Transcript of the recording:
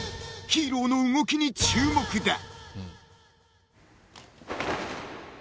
ヒーローの動きに注目だ］